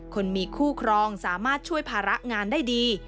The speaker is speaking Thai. คนมีคู่ครองสามารถช่วยภาระงานได้ดี